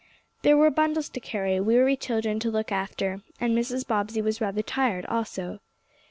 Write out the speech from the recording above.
There were bundles to carry, weary children to look after, and Mrs. Bobbsey was rather tired also.